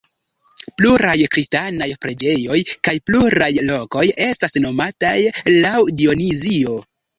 Pluraj kristanaj preĝejoj kaj pluraj lokoj estas nomataj laŭ Dionizio.